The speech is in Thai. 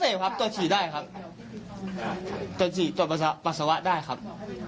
ไม่เสพครับตัวที่ได้ครับตัวที่ตัวปัสสาวะได้ครับ